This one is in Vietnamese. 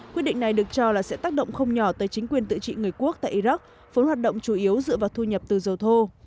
quyết định này được cho là sẽ tác động không nhỏ tới chính quyền tự trị người quốc tại iraq vốn hoạt động chủ yếu dựa vào thu nhập từ dầu thô